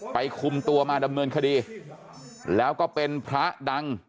คุมตัวมาดำเนินคดีแล้วก็เป็นพระดัง